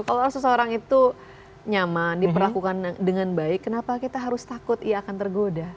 kalau seseorang itu nyaman diperlakukan dengan baik kenapa kita harus takut ia akan tergoda